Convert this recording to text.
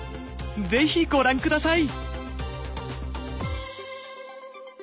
是非ご覧ください！